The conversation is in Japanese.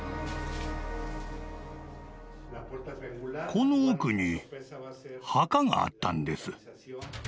この奥に墓があったんです。